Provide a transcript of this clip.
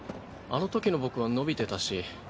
あのときの僕は伸びてたし。